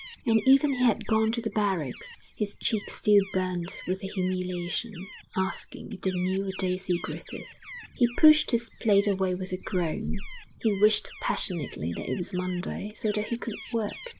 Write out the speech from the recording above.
And even he had gone to the barracks his cheeks still burned with the humiliation asking if they knew a Daisy Griffith. He pushed his plate away with a groan. He wished passionately that it were Monday, so that he could work.